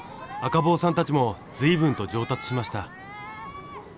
赤帽さんたちも随分と上達しました。